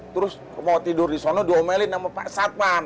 terus mau tidur di sono diomelin sama pak satman